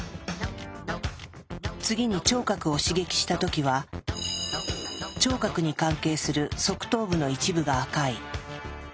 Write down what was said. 次に聴覚を刺激した時は聴覚に関係する側頭部の一部が赤い。